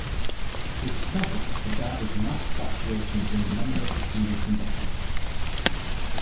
He discovered that there were dramatic fluctuations in the number of procedures conducted.